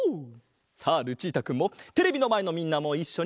さあルチータくんもテレビのまえのみんなもいっしょに！